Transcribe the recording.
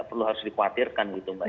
perlu harus dikhawatirkan mbak